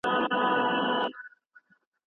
پېښور تږی نه دی، وینې بهولي رنجیت